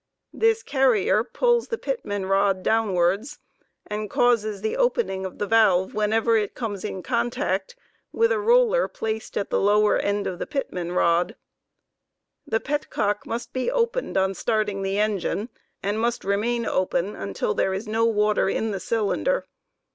This carrier pulls the pitman rod 24 downwards, and causes the opening of the valve 20 whenever it comes in contact with a roller (33) placed at the lower end of the pitman rod. The pet cock 36 must be opened on storting the engine, and must remain open until there is no water in the cylinder.